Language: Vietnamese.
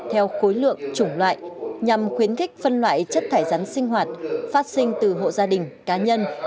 theo khối lượng chủng loại nhằm khuyến khích phân loại chất thải rắn sinh hoạt phát sinh từ hộ gia đình cá nhân